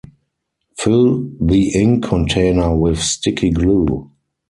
Fill the ink container with sticky glue.